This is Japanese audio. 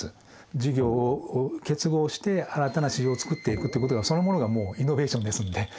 事業を結合して新たな市場を作っていくということがそのものがもうイノベーションですので。